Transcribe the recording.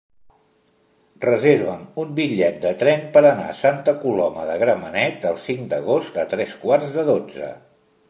Reserva'm un bitllet de tren per anar a Santa Coloma de Gramenet el cinc d'agost a tres quarts de dotze.